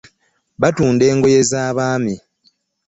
Batunda engoye za baami.